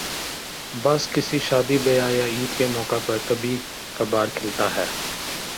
بس کسی شادی بیاہ یا عید کے موقع پر کبھی کبھارکھلتا ہے ۔